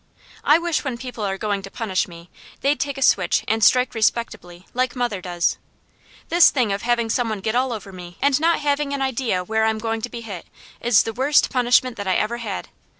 I wish when people are going to punish me, they'd take a switch and strike respectably, like mother does. This thing of having some one get all over me, and not having an idea where I'm going to be hit, is the worst punishment that I ever had.